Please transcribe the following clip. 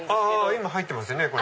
今入ってますよね。